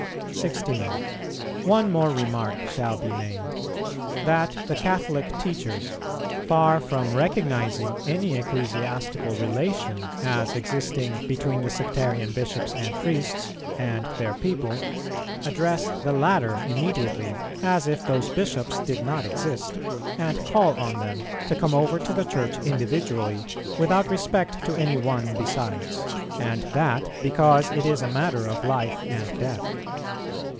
[270:3] 16. One more remark shall be made: that the Catholic teachers, far from recognizing any ecclesiastical relation as existing between the Sectarian Bishops and Priests and their people, address the latter immediately, as if those Bishops did not exist, and call on them to come over to the Church individually without respect to any one besides; and that because it is a matter of life and death.